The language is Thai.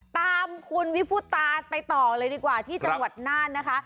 ตามคุณวิพุตาไปต่อเลยดีกว่าที่จังหวัดน่านนะคะ